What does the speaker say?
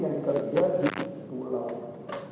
yang kerja di pulau